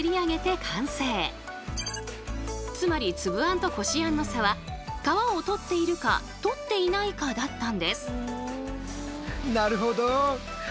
つまりつぶあんとこしあんの差は皮を取っているか取っていないかだったんです。